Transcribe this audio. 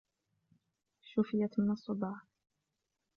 شفيت من الصداع.